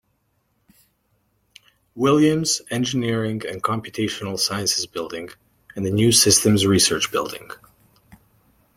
Williams Engineering and Computational Sciences Building, and the new Systems Research Building.